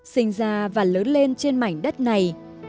sinh ra và lớn lên trên mảnh đất này